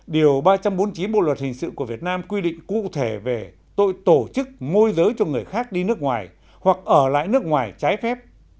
điều ba trăm bốn mươi chín bộ luật hình sự của việt nam quy định cụ thể về tội tổ chức môi giới cho người khác đi nước ngoài hoặc ở lại nước ngoài trái phép